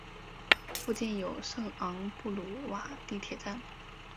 附近有圣昂布鲁瓦地铁站。